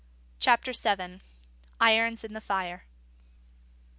CHAPTER VII. IRONS IN THE FIRE.